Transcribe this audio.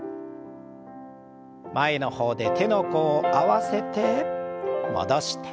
前の方で手の甲を合わせて戻して。